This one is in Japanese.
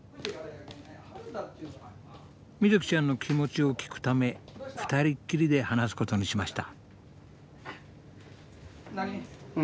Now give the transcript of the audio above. みずきちゃんの気持ちを聞くため２人きりで話すことにしました。